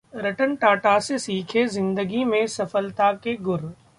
रतन टाटा से सीखें जिंदगी में सफलता के गुर...